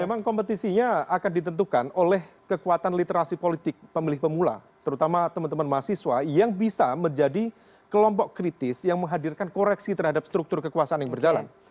memang kompetisinya akan ditentukan oleh kekuatan literasi politik pemilih pemula terutama teman teman mahasiswa yang bisa menjadi kelompok kritis yang menghadirkan koreksi terhadap struktur kekuasaan yang berjalan